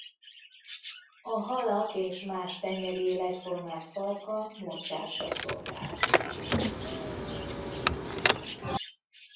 A halak és más tengeri életformák farka mozgásra szolgál.